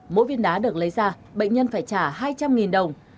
mỗi viên ná được lấy ra bệnh nhân phải trả hai trăm linh đồng